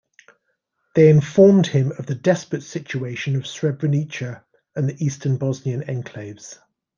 They informed him of the desperate situation of Srebrenica and the eastern Bosnian enclaves.